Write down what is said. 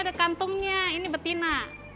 ini kandungnya ini betina